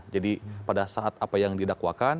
jadi pada saat apa yang didakwakan